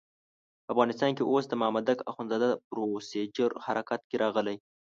په افغانستان کې اوس د مامدک اخندزاده پروسیجر حرکت کې راغلی.